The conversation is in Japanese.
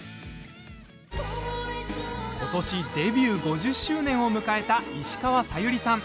今年、デビュー５０周年を迎えた石川さゆりさん。